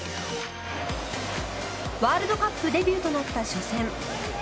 ワールドカップデビューとなった初戦。